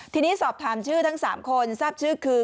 ทีนี้สอบถามชื่อทั้ง๓คนทราบชื่อคือ